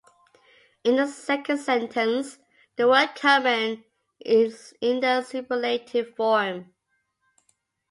In the second sentence, the word "common" is in the superlative form.